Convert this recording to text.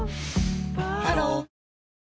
ハロー